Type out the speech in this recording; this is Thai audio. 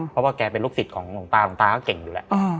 เพราะว่าแกเป็นลูกศิษย์ของหลวงตาหลวงตาก็เก่งอยู่แล้ว